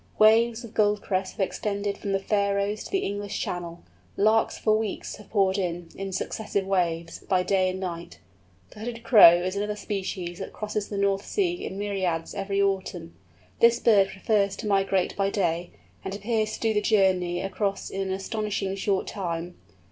Waves of Goldcrests have extended from the Faröes to the English Channel; Larks for weeks have poured in, in successive waves, by day and night. The Hooded Crow is another species that crosses the North Sea in myriads every autumn. This bird prefers to migrate by day, and appears to do the journey across in an astonishing short time.